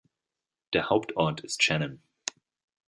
Der Hauptort ist Shannon.